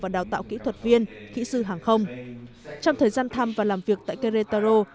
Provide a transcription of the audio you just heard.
đào tạo kỹ thuật viên khí sư hàng không trong thời gian thăm và làm việc tại querétaro